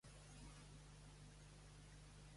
Per això, veu ‘vital’ que en supervisi el resultat.